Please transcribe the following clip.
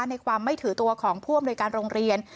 ในความไม่ถือตัวของผู้อำนวยการโรงเรียน